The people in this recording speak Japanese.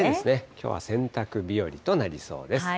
きょうは洗濯日和となりそうです。